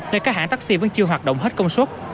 nên các hãng taxi vẫn chưa hoạt động hết công suất